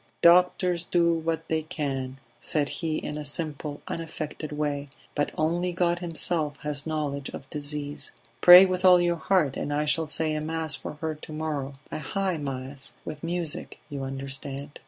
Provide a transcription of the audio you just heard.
"Doctors do what they can," said he in a simple unaffected way, "but only God Himself has knowledge of disease. Pray with all your heart, and I shall say a mass for her to morrow a high mass with music, you understand."